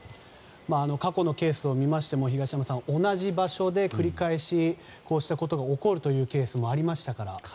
過去のケースを見ても同じ場所で、繰り返しこうしたことが起こるケースもありましたから。